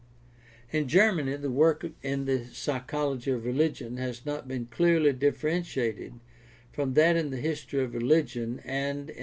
In Germany the work in the psychology of religion has not been clearly differentiated from that in the history of religion and in the philosophy of religion.